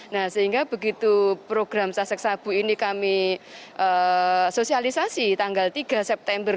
nah sehingga begitu program sasek sabu ini kami sosialisasi tanggal tiga september dua ribu dua puluh